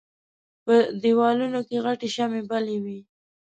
په دېوالونو کې غټې شمعې بلې وې.